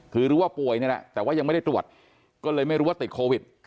คือรู้ว่าป่วยนี่แหละแต่ว่ายังไม่ได้ตรวจก็เลยไม่รู้ว่าติดโควิด